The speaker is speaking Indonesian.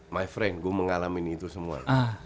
my frank gue mengalami itu semua